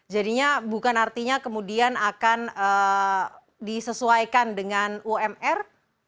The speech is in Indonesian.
jadinya bukan artinya kemudian akan disesuaikan dengan umr